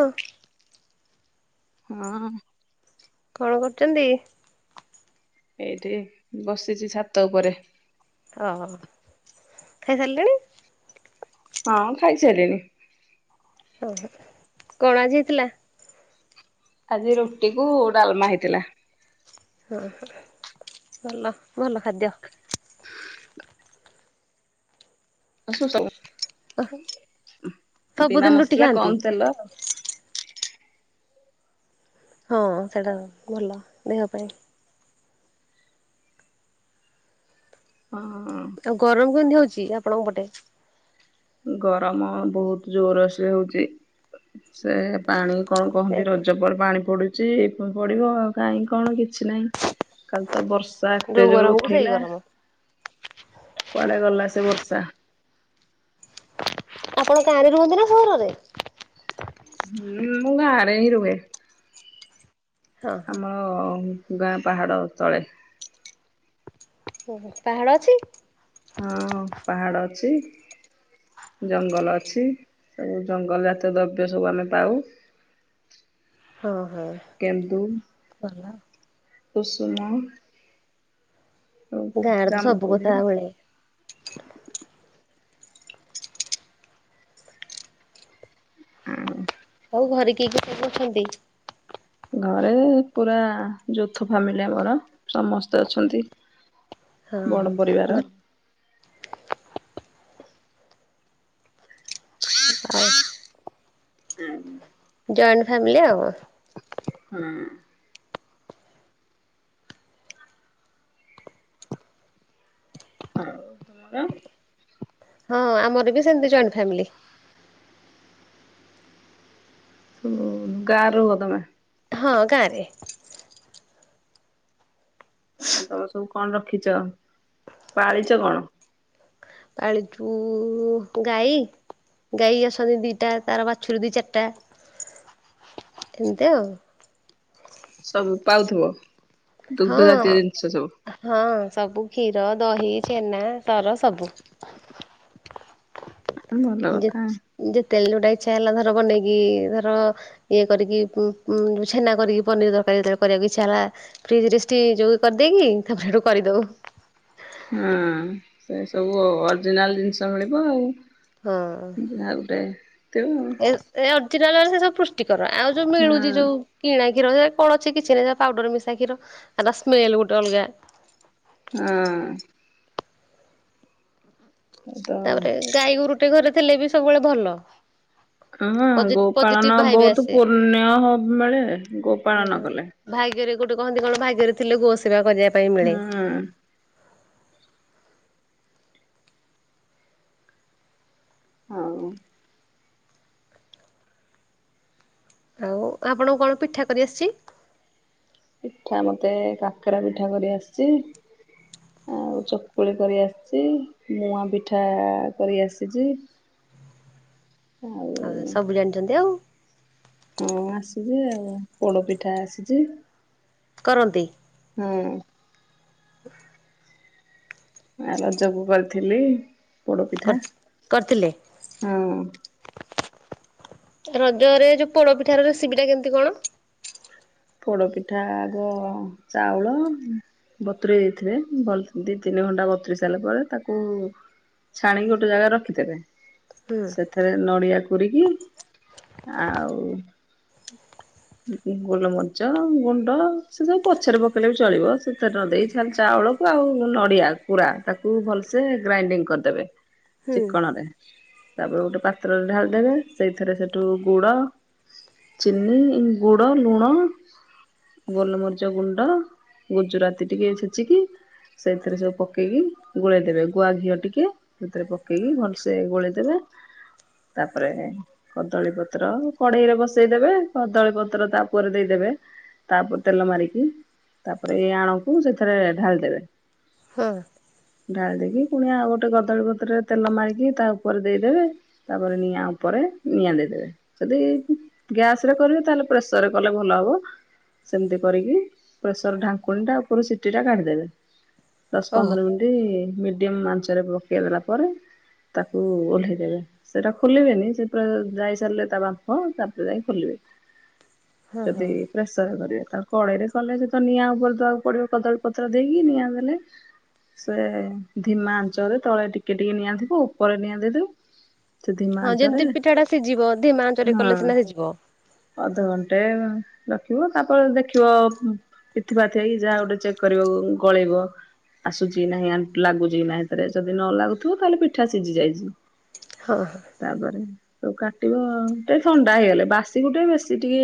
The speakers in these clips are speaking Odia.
ହଁ। ହଁ ଅ। କଣ କରୁଛନ୍ତି? ଏଇଠି ବସିଛି ଛାତ ଉପରେ। ଅ। ହଁ ଖାଇସାଇଲିନି। ଓହୋ କଣ ଆଜି ହେଇଥିଲା। ଆଜି ରୁଟି କୁ ଡାଲମା ହେଇଥିଲା। ହଁ ହ ଭଲ ଭଲ ଖାଦ୍ୟ। ଆବୁ ବିନା ସବୁଦିନ ରୁଟି ମସଲା ଖାଆନ୍ତି? କମ ତେଲ। ହଁ ସେଇଟା ଭଲ ଦେହ ପାଇଁ। ହଁ। ଆଉ ଗରମ କେମିତି ହଉଛି ଆପଣଙ୍କ ପଟେ? ଗରମ ବହୁତ ଜୋର ସେ ହଉଛି ସେ ପାଣି କଣ କହନ୍ତି ରଜବଲ ପାଣି ପଡ଼ୁଚି ପଡ଼ିବ ଆଉ କାହିଁ କଣ କିଛି ନାହିଁ କାଲି ତ ବର୍ଷ ସ ଯୋଉ ତେଜୋରୁ ଗରମକୁ ସେଇ ଉଠେଇଲା, ଗରମ। କୁଡେ ଗଲା ସେ ବର୍ଷା? ଆପଣ କାଁରେ ରୁହନ୍ତି ନା ସହରରେ? ହଁ ମୁଁ ଗାଁରେ ହିଁ ରୁହେ। ହଁ ହଁ ଆମର ଗାଁ ପାହାଡ ତଳେ ଓହୋ ପାହାଡ ଅଛି? ହଁ ପାହାଡ ଅଛି। ଜଙ୍ଗଲ ଅଛି ସବୁ ଜଙ୍ଗଲ ଜାତୀୟ ଦ୍ରବ୍ୟ ସବୁ ଆମେ ପାଉ। ହଁ ହଁ କେନ୍ଦୁ ଭଲ। କୁସୁମ, ଗାଁରେ ତ ସବୁ ଜାମୁକୋଳି କଥା ମିଳେ। ହୁଁ, ଆଉ ଘରେ କିଏ କିଏ ସବୁ ଅଛନ୍ତି। ଘରେ ପୁରା ଯୌଥ ଫ୍ୟାମିଲୀ ଆମର ସମସ୍ତେ ଅଛନ୍ତି। ହଁ ବଡ ପରିବାର ଭଲ। ଆଉ? ଜଏଣ୍ଟ ଫ୍ୟାମିଲି ଆଉ। ହୁଁ, ଆଉ କଣ। ହଁ ଆମର ବି ସେମିତି ଜଏଣ୍ଟ ଫ୍ୟାମିଲି। ହଁ ଗାଁରେ ରୁହ ତମେ? ହଁ ଗାଁରେ। ଆ ତମେ ସବୁ କଣ ରଖିଛ ପାଳିଛ କଣ? ପାଳିଛୁ ଗାଈ, ଗାଈ ଅଛନ୍ତି ଦିଟା ତାର ବାଛୁରୀ ଦି ଚାରିଟା ଏମିତି ଆଉ। ସବୁ ପାଉଥିବ? ହଁ ଦୁଗ୍ଧ ଜାତୀୟ ଜିନିଷ ସବୁ ହଁ ସବୁ। କ୍ଷୀର, ଦହି, ଛେନା, ସର ସବୁ। ଭଲ କଥା। [inaudible] କେତେଳେ ଗୋଟେ ଇଚ୍ଛା ହେଲା ଧର ବନେଇକି ଧର ଇଏ କରିକି ଉ ଛେନା କରିକି ପନିର ଦର କରିବାକୁ ଇଛା ହେଲା ଫ୍ରିଜରେ ଷ୍ଟିମ୍ କରିଦେଇକି ତାପରେ କରିଦଉ। ହଁ ସେ ସବୁ ଅରିଜିନାଲ ଜିନିଷ ମିଳିବ ଆଉ। ହଁ ଯାହା ଗୋଟେ ଥିବ ଆଉ। ଏ ଏ ଅରିଜିନାଲ ସେ ସେବୁ ପୃଷ୍ଟିିକର ଆଉ ଯୋଉ ମିଳୁଛି ହୁଁ ଯୋଉ କିଣା କ୍ଷୀରଯେ କଣ ଅଛି କିଛି ନାଁଇ ପାଉଡର ମିଶା କ୍ଷୀର ତାଙ୍କ ସ୍ମେଲ ଗୁଟେ ଅଲଗା ହୁଁ, ତ ତାପରେ ଗାଈ ଗୁରୁଟେ ଘରେ ଥିଲେ ବି ସବୁବେଳେ ଭଲ। ହଁ ପଜି ପଜିଟିଭ ଗୋପାଳନ ଭାଇବ ବହୁତ ଆସେ। ପୂର୍ଣ ମିଳେ ଗୋପାଳନ କଲେ। ଭାଗ୍ୟରେ ଗୋଟେ କହନ୍ତି କଣ ଭାଗ୍ୟରେ ଥିଲେ ଗୋ ସେବା କରିବା ପାଇଁ ମିଳେ। ହୁଁ, ହଉ। ଆଉ ଆପଣଙ୍କୁ କଣ ପିଠା କରିଆସିଚି? ପିଠା ମତେ କାକରା ପିଠା କରି ଆସିଚି। ଆଉ ଚକୁଳି କରି ଆସିଚି, ମୁଆଁ ପିଠା କରି ଆସିଚି । ଆଉ ସବୁ ଜାଣିଚନ୍ତି ଆଉ। ହଁ ଆସିଚି ଆଉ ପୋଡ ପିଠା ଆସିଚି। କରନ୍ତି ହୁଁ, [inaudible] ଆ ରଜକୁ କରିଥିଲି। ପୋଡପିଠା, କରି କରିଥିଲେ। ହଁ। ରଜରେ ଯୋଉ ପୋଡପିଠାର ରେସିପି ଟା କେମତି କଣ? ପୋଡ ପିଠା ଆଗ ଚାଉଳ ବତୁରେଇ ଦେଇିଥିବେ ଭଲ ଦି ତିନି ଘଣ୍ଟା ବତୁରି ସାରିଲା ପରେ ତାକୁ ଛାଣିକି ଗୋଟେ ଜାଗା ରଖିଦେବେ। ହୁଁ ସେଥିରେ ନଡିଆ କୋରିକି ଆଉ ଗୋଲମରି ରିଚ ଗୁଣ୍ଡ ସେ ସବୁ ପଛରେ ପକେଇଲେ ବି ଚଳିବ। ସେଥିରେ ନ ଦେଇ ଖାଲି ଚାଉଳକୁ ଆଉ ନଡ଼ିଆ ପୁରା ତାକୁ ଭଲସେ ଗ୍ରାଇଣ୍ଡିଙ୍ଗ କରିଦେବେ। ହୁଁ ଚିକଣ ରେ, ତାପରେ ଗୋଟେ ପାତ୍ରରେ ଢାଳି ଦେବେ। ସେଇଥିରେ ସେଠୁ ଗୁଡ ଚିିନି ଗୁଡ଼ ଲୁଣ। ଗୋଲମରିଚ ଗୁଣ୍ଡ ଗୁଜୁରାତି ଟିକେ ଛେଚିକି ସେଇଥିରେ ସବୁ ପକେଇକି ଗୋଳେଇଦବେ। ଗୁଆ ଘିଅ ଟିକେ ସେଥିରେ ପକେଇକି ଭଲସେ ଗୋଳେଇଦବେ। [inaudible] ତାପରେ କଦଳୀ ପତ୍ର କଡେଇରେ ବସେଇଦେବେ। କଦଳୀ ପତ୍ର ତା ଉପରେ ଦେଇଦେବେ। ତାପରେ ତେଲ ମାରିକି ତାପରେ ଏଇ ଆଣକୁ ସେଥିରେ ଢାଳି ଦେବେ। ହଁ। ଢାଳି ଦେଇକି ପୁଣି ଆଉ ଗୋଟେ କଦଳୀପତ୍ରରେ ତେଲ ମାରିକି ତା ଉପରେ ଦେଇଦେବେ। ତାପରେ ନିଆଁ ଉପରେ ନିଆ ଦେଇଦେବେ ।ଯଦି ଗ୍ୟାସ ରେ କରିବେ ତାହଲେ ପ୍ରେସର ରେ କଲେ ଭଲ ହବ। ସେମିତି କରିକି ପ୍ରେସର ଢାଙ୍କୁଣୀ ଟା ଉପରୁ ସିଟି ଟା କାଢିଦେବେ। ଦଶ ଓହୋ ପନ୍ଦର ମିନିଟ୍ ମିଡିୟମ ଆଞ୍ଚରେ ପକେଇ ଦେଲା ପରେ। ତାକୁ ଓହ୍ଲେଇ ଦେବେ ।ସେଟା ଖୋଲିବେନି ସେ ପୁରା ଯାଇ ସାରିଲେ ତା ବାମ୍ଫ ତାପରେ ଯାଇ ଖୋଲିବେ। ହଁ ହଁ। ତା ଦେହରେ କରିବେ। କଢେଇରେ କଲେ ସେ ନିଆଁ ଉପରେ ଦେବାକୁ ପଡିବ କଦାଳୀ ପତ୍ର ଦେଇକି ନିଆଁ ଦେଲେ। ସେ ଧିମା ଆଞ୍ଚରେ ତଳେ ଟିକେ ଟିକେ ନିଆଥିବ ଉପରେ ନିଆ ଦେଇଦେବେ। ସେ ହଁ ଧିମାଞ୍ଚରେ ଯେମିତି ପିଠା ଟା ସିଝିବ ଧିମା ଆଞ୍ଚରେ କଲେ ହଁ ସିନା ସିଝିବ। ଅଧଘଣ୍ଟେ ରଖିବ, ତାପରେ ଦେଖିବ ପିଥି ପାଥିଆକି ଯାହା ଗୋଟେ ଚେକ୍ କରିବାକୁ ଗଳେଇବ। ଆସୁଛି ନାହିଁ ଆ ଲାଗୁଛି କି ନାହିଁ ହେତିରେ ଯଦି ନ ଲାଗୁଥିବ ତାହେଲେ ପିଠା ସିଝି ଯାଇଛି। ହଁ ହଁ ତାପରେ। ତାକୁ କାଟିବା ଟେ ଥଣ୍ଡା ହେଇଗଲେ ।ବାସିକୁୁ ଟେ ବେଶୀ ଟିକେ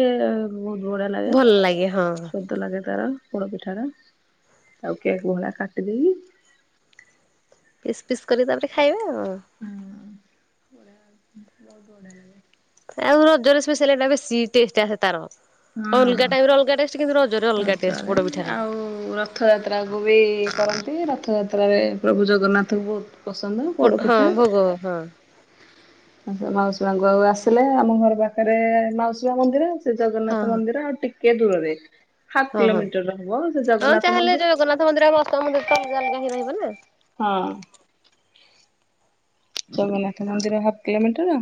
ବହୁତ ବଢିଆ ଲାଗେ ଭଲ ଲାଗେ ହଁ। ସ୍ୱାଦ ଲାଗେ ତାର। ପୋଡ ପିଠାର ତାକୁ କେକ୍ ଭଳିଆ କାଟିଦେଇକି ପିସ୍ ପିସ୍ କରିକି ତାପରେ ଖାଇବେ ଆଉ। ବଢ଼ିଆ ବହୁତ ବଢିଆ ଲାଗେ। ଆଉ ରଜରେ ସ୍ପେଶାଲଟା ବେଶୀ ଟେଷ୍ଟ ଆସେ ତାର। ହଁ। ଅଲଗା ଟାଇମରେ ଅଲଗା ଟେଷ୍ଟ କି [unintelligible] ଆଉ ରଥଯାତ୍ରାକୁ ବି କରନ୍ତି ର ରଥଯାତ୍ରାରେ ପ୍ରଭୁ ଜଗନ୍ନାଥଙ୍କୁ ପସନ୍ଦ ପୋଡ଼ ହଁ ପିଠା। ଭୋଗ ହଁ ହଁ ଆ ମାଉସୀ ମାଙ୍କୁ ପାଖକୁ ଆସିଲେ। ଆମ ଘର ପାଖରେ ମାଉସୀ ମା ମନ୍ଦିର। ସେ ହଁ ଜଗନ୍ନାଥ ମନ୍ଦିର ଆଉ ଟିକେ ଦୂରରେ। ହାଫ୍ ହଁ ହଁ କିଲୋମିଟର ହବ ସେ ହଁ ଜଗନ୍ନାଥ ଚାହେଲେ ମନ୍ଦିର। ଜଗନ୍ନାଥ ମନ୍ଦିର ଆଉ ମାଉସୀମା ମନ୍ଦିର ତ ଅଲଗା ହିଁ ରହିବ ନା। ହଁ। ଜଗନ୍ନାଥ ମନ୍ଦିର ହାଫ୍ କିଲୋମିଟର।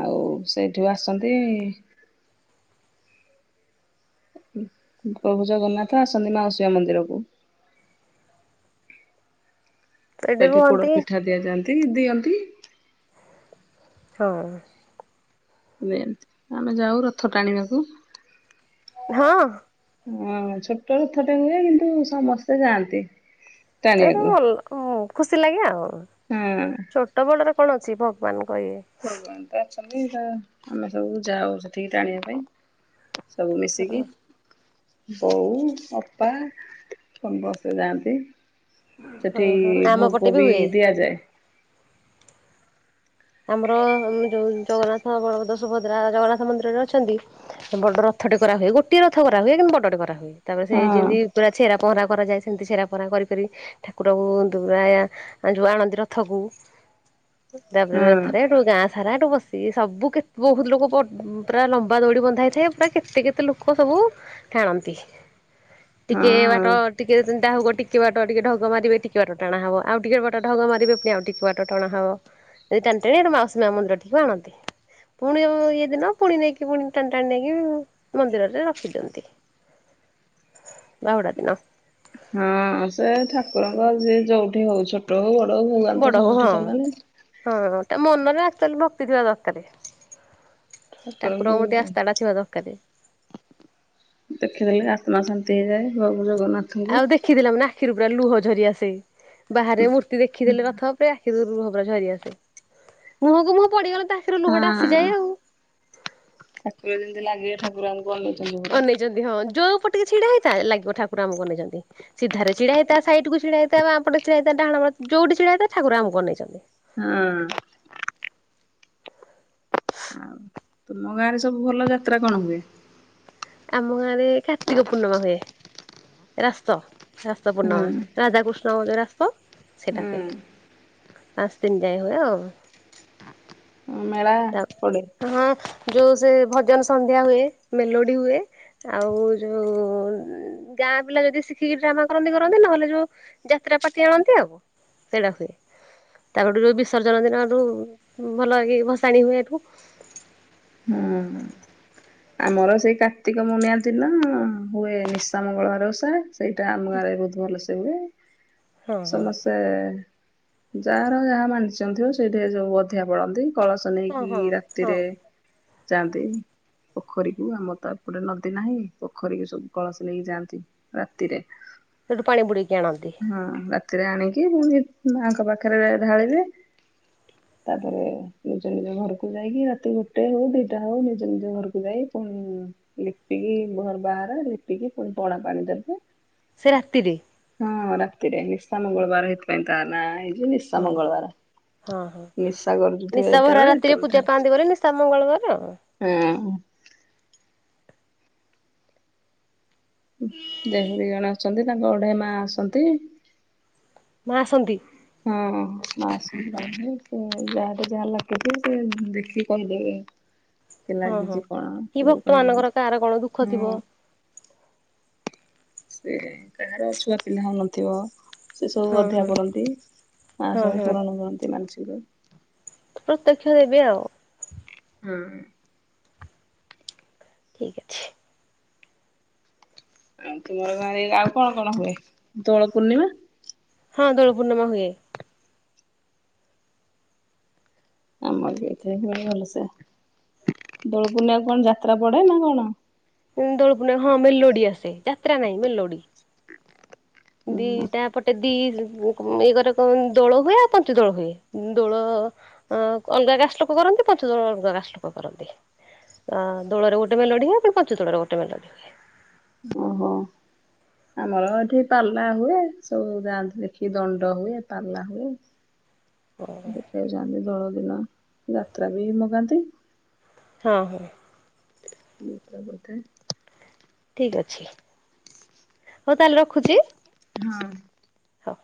ଆଉ ସେଇଠିୁ ଆସନ୍ତି। [inaudible] ପ୍ରଭୁ ଜଗନ୍ନାଥ ଆସନ୍ତି ମାଉସୀମା ମନ୍ଦିରକୁ। [inaudible] ସେଇଠି ସେଠି ପୋଡ ରୁହନ୍ତି। ପିଠା ଦିଆଯାଆନ୍ତି ଦିଅନ୍ତି। ହଁ। ଏମିତି ଆମେ ଯାଉ ରଥ ଟାଣିବାକୁ। ହଁ। ହଁ ଛୋଟ ରଥ ଟେ ହୁଏ କିନ୍ତୁ ସମସ୍ତେ ଯାଆନ୍ତି। ତ ଗୋଟେ ଟାଣିବାକୁ। ଭଲ ଖୁସି ଲାଗେ ଆଉ ହଁ ଛୋଟ ବଡ଼ରେ କଣ ଅଛି ଭଗବାନଙ୍କୁ କହିବେ। ଭଗବାନ [unintelligible] ଆମେ ସବୁ ଯାଉ ସେଠିକି ଟାଣିବା ପାଇଁ। ସବୁ ମିଶିକି। ବୋଉ ଅପା ସମସ୍ତେ ଯାଆନ୍ତି। ହଁ ସେଠି ହଁ ଆମ ପଟେ ଭୋଗ ବି ବିି ହୁଏ। ଦିଆ ଯାଏ ଆମର ଯୋଉ ଜଗନ୍ନାଥ ବଲଭଦ୍ର ସୁଭଦ୍ରା ଜଗନ୍ନାଥ ମନ୍ଦିରରେ ଅଛନ୍ତି ବଡର ରଥ ଟେ କରା ହୁଏ ଗୋଏ ରଥ କରା ହୁଏ କିନ୍ତୁ ବଡଟେ କରାହୁଏ ତାପରେ ସେ ହଁ ଯେନ୍ତି ପୁରା ଛେରା ପହଁରା କରାଯାଏ ସେମିତି ଛେରା ପହଁରା କରି କରି ଠାକୁରଙ୍କୁ ଦୁଆ ଯୁଆ ଆଣନ୍ତି ରଥକୁ। ତାପରେ ହଁ ରଥରେ [inaudible] ଗାଁଆ ସାରା ହେଠୁ ବସି ସବୁ କେତେ ବହୁତ ଲୋକ ବ ପୁରା ଲମ୍ବା ଦୌଡି ବନ୍ଧା ହେଇଥାଏ ପୁରା କେତେ କେତେ ଲୋକ ସବୁ ବୁ ଟାଣନ୍ତି। ଟିକେ ହଁ। ବାଟ ଟିକେ ଚିନ୍ତା ହବ ଟିକେ ବାଟ ଟିକେ ଢଗ ମାରିବେ ଟିକେ ବାଟ ଟାଣା ହବ ଆଉ ଟିକେ ବାଟ ଢଗ ମାରିବେ ପୁଣି ଆଉ ଟିକେ ବାଟ ଟଣା ହବ [inaudible] ଟାଣି ଟାଣି ମାଉସୀ ମାଆ ମନ୍ଦିରଠିକି ଆଣନ୍ତି। ପୁଣି ଇଏ ଦିନ ପୁଣି ନେଇକି ପୁଣି ଟାଣି ଟାଣି ନେଇକି ମନ୍ଦିରରେ ରଖିଦିଅନ୍ତି। ବାହୁଡ଼ା ଦିନ। ହଁଅ-ଅ ସେ ଠାକୁରଙ୍କ ଯିଏ ଯୋଉଠି ହଉ ଛୋଟ ହଉ ବ ବଡ ହଉ ହଁ, ହଁ ତା ମନରେ ଖାଲି ଭକ୍ତି ଥିବା ଦରକାରେ। ଠାକୁରଙ୍କୁ ଦେଖିଦେଲେ ଆତ୍ମା ଶାନ୍ତ୍ [unintelligible] ଆଉ ଦେଖିଦେଲେ ମାନେ ଆଖିରୁ ପୁରା ଲୁହ ଝରିଆସେ। ବାହାରେ ମୂର୍ତ୍ତି ଦେଖିଦେଲେ ରଥ ଉପରେ ଆଖିରୁ ଲୁହ ପୁରା ଝରି ଆସେ, ମୁହଁକୁ ମୁହଁ ପଡିଗଲେ ଆଖିରୁ ଲୁହଟା ହଁ ଆସିଯାଏ ଆଉ। ଠାକୁର ଯେମିତି ଲାଗିବେ ଠାକୁରଙ୍କୁ ଅନେଇଛନ୍ତି ହଁ ଯୋଉପଟ୍ [inaudible] ଛିଡା ହେଇଥା ଲାଗିବ ଠାକୁର ଆମକୁ ଅନେଇଛନ୍ତି ସିଧାରେ ଛିଡା ହେଇଥା ସାଇଟକୁ ଛିଡା ହେଇଥା ବାଁପଟେ ଛିଡା ହେଇଥା ଡାହାଣ ପ ଯୋଉଠି ଛିଡା ହେଇଥା ଠାକୁର ଆମକୁ ଅନେଇଛନ୍ତି। ହଁ ତମ ଗାଁଆରେ ସବୁ ଭଲ ଯାତ୍ରା କଣ ହୁଏ? ଆମ ଗାଁଆରେ କାର୍ତ୍ତିକ ପୂର୍ଣ୍ଣମା ହୁଏ ରାସ। ଶାସ ହୁଁ ପୂର୍ଣ୍ଣମା ରାଧାକୃଷ୍ଣ ବଗେରା [inaudible] ସେଟା ହୁଏ, ହୁଁ ପାଞ୍ଚ ଦିନ ଯାଏ ହୁଏ ଆଉ ମେଳା ତା ପଡେ? ହଁ ଯୋଉ ସେ ଭଜନ ସନ୍ଧ୍ୟା ହୁଏ ମେଲୋ ଡି ହୁଏ, ଆଉ ଯୋଉ ଗାଁ ପିଲା ଯଦି ଶିଖିକି ଡ୍ରାମା କରନ୍ତି କରନ୍ତି ନହେଲେ ଯୋଉ ଯାତ୍ରା ପାର୍ଟି ଆଣନ୍ତି ଆଉ ସେଇଟା ହୁଏ। ତାପରଠୁ ଯୋଉ ବିସର୍ଜନ ଦିନଠୁ ଭଲ ଏ ଭସାଣି ହୁଏ ଏଠୁ। ହୁଁ। ଆମର ସେଇ କାର୍ତ୍ତିକ ପୂର୍ଣ୍ଣିମା ଦିନ ହୁଏ ନିଶା ମଙ୍ଗଳାର ଉଷା। ସେଇଟା ଆମ ଗାଁରେ ବହୁତ ଭଲସେ ହୁଏ, ହଁ ହଁ। ସମସ୍ତେ ଯାହାର ଯାହା ମାନସିଙ୍କ ଥିବ ସେଇଠି ଯୋଉ ଅଧିଆ ପଡନ୍ତି। କଳସ ହଁ ନେଇକି ହଁ ହଁ ରାତିରେ ଯାଆନ୍ତି। ପୋଖରୀକୁ ଆମର ତ ଏପଟେ ନଦୀ ନାହିଁ ପୋଖରୀକୁ ସବୁ କଳସ ନେଇକି ଯାଆନ୍ତି ରାତିରେ। ସେଠୁ ପାଣି ବୁଡ଼େଇକି ଆଣନ୍ତି? ସେଥିରେ ଆଣିକି ପୁଣି ମାଆଙ୍କ ପାଖରେ ଢାଳିବେ। ତାପରେ ନିଜ ନିଜ ଘରକୁ ଯାଇକି ରାତି ଗୋଟେ ହଉ ଦିଟା ହଉ ନିଜ ନିଜ ଘରକୁ ଯାଇ ପୁଣି ଲିପିକି ଘର ବାହାର ଲିପିକି ପୁଣି ପଣାପାଣି ଦେବେ। ସେ ରାତିରେ? ହଁ ରାତିରେ, ନିଶା ମଙ୍ଗଳବାର ହେଇଥି ପାଇଁ ତା ନାଆଁ ହେଇଛି ନିଶା ମଙ୍ଗଳବାର। ହଁ-ହଁ, ନିଶା କରୁଥିବେ ନିଶା ଭରା ଯେତେବେଳେ ରାତିରେ ସେତେବେଳେ ପୂଜା ଠାରୁ ପାଆନ୍ତି ବୋଲି ନିଶା ମଙ୍ଗଳବାର ଆଉ ହଁ। ଦେହୁରୀ ଜଣେ ଅଛନ୍ତି ତାଙ୍କଠି ମା ଆସନ୍ତି। ମାଆ ଆସନ୍ତି? ହଁ-ହଁ ମାଆ ଆସନ୍ତି ତାଙ୍କରି ସେ ଯାହାଠି ଯାହା [unintelligible] ସେ ଦେଖିକି କହିଦେବେ। କି ହଁ ହଁ। ଲାଗିଛି କଣ, କି ସବୁ ଭକ୍ତ ମାନଙ୍କର କହିଦିଅନ୍ତି, କାହାର କଣ ଦୁଃଖ ଥିବ। ହୁଁ। ସେ କାହାର ଛୁଆପିଲା ହଉନଥିବ ସେ ସବୁ ହଁ ଅଧିଆ ହଁ ପଡନ୍ତି ମା ହଁ ସବୁ ହଁ। ପୂରଣ କରନ୍ତି ମାନସିକ। ପ୍ରତ୍ୟକ୍ଷ ଦେବି ଆଉ। ହୁଁ। ଠିକ ଅଛି। ଆଉ ତୁମର ଗାଁ ରେ ଏରା ଆଉ କଣ କଣ ହୁଏ? ହଁ ଦୋଳ ପୂର୍ଣ୍ଣିମା ହୁଏ। ଆମର ବି [unintelligible] ଭଲସେ। ଦୋଳପୂର୍ଣ୍ଣିମା କଣ ଯାତ୍ରା ପଡେ ନା କଣ? ଉଁ ଦୋଳପୁର୍ଣ୍ଣିମା ହଁ ମେଲୋଡି ଆସେ। ଯାତ୍ରା ନାହିଁ ମେଲୋଡି ଦିଇଟା ପଟେ ଦିଇ [unintelligible] କ ଦୋଳ ହୁଏ ଆଉ ପଞ୍ଚ ଦୋଳ ହୁଏ ଦୋଳ ଅ ଅଲଗା [unintelligible] ଲୋକ କରନ୍ତି ପାଞ୍ଚ ଦୋଳ [unintelligible] ଲୋକ କରନ୍ତି ଆ ଦୋଳରେ ଗୋଟେ ମେଲୋଡି ହୁଏ। ପଞ୍ଚ ଦୋଳରେ ଗୋଟେ ମେଲୋଡି ହୁଏ। ଓହୋ। ଆମର ଏଠି ପାଲା ହୁଏ ସବୁ ଯାଆନ୍ତିୁ ଦେଖି। ଦଣ୍ଡ ହୁଏ ପାଲା ହୁଏ। ଦେଖିବାକୁ ଯାଆନ୍ତି ଦୋଳ ଦିନ ଯାତ୍ରା ବି ମଗାନ୍ତି। ହଁ ହଁ ଦୁଇଟା ବୋଧେ। ଠିକ ଅଛି ହୋଉ ତାହେଲେ ରଖୁଛି। ହଁ। ହୋଉ।